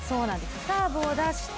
サーブを出して。